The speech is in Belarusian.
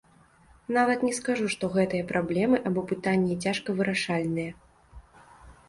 Нават не скажу, што гэтыя праблемы або пытанні цяжка вырашальныя.